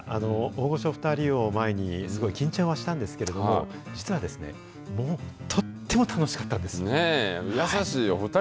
大御所２人を前にすごい緊張はしたんですけれども、実は、とっても楽しかったんです。